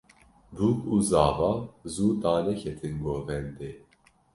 Bûk û zava zû daneketin govendê.